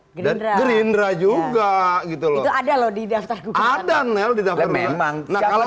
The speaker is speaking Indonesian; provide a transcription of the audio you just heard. untuk aman mendarah juga gitu loh ada lho didaftar kata dan filsafat memang kalau